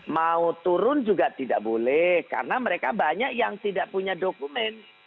mau turun juga tidak boleh karena mereka banyak yang tidak punya dokumen